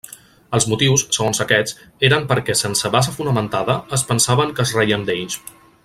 Els motius, segons aquests, eren perquè, sense base fonamentada, es pensaven que es reien d'ells.